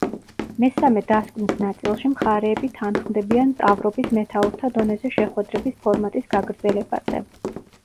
მესამე დასკვნით ნაწილში მხარეები თანხმდებიან მტავრობის მეთაურთა დონეზე შეხვედრების ფორმატის გაგრძელებაზე.